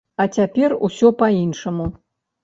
А цяпер усё па-іншаму.